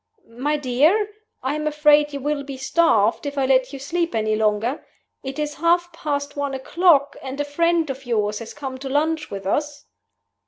"My dear! I am afraid you will be starved if I let you sleep any longer. It is half past one o'clock; and a friend of yours has come to lunch with us."